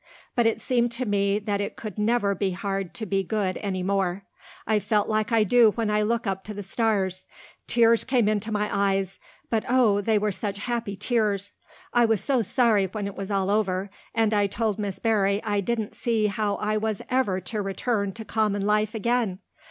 But it seemed to me that it could never be hard to be good any more. I felt like I do when I look up to the stars. Tears came into my eyes, but, oh, they were such happy tears. I was so sorry when it was all over, and I told Miss Barry I didn't see how I was ever to return to common life again.